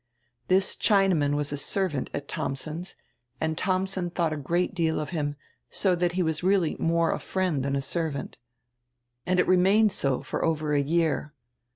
"This Chinaman was a servant at Thomsen's and Thomsen thought a great deal of him, so diat he was really more a friend dian a servant. And it remained so for over a year.